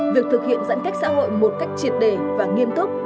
việc thực hiện giãn cách xã hội một cách triệt đề và nghiêm túc